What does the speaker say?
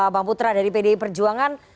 bang putra dari pdi perjuangan